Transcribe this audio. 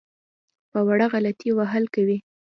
په وړه غلطۍ وهل کوي.